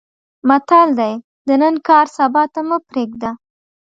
متل دی: د نن کار سبا ته مه پرېږده.